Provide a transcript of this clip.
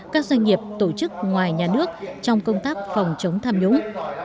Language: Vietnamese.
các doanh nghiệp tổ chức ngoài nhà nước trong công tác phòng chống tham nhũng